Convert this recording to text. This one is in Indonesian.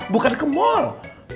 bukan ke mall